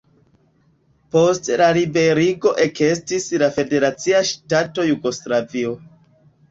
Post la liberigo ekestis la federacia ŝtato Jugoslavio.